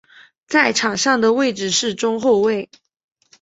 在场上的位置是中后卫。